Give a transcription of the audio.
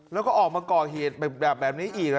แล้วก็ออกมาก่อเหตุแบบนี้อีกท้อใจขึ้นไหม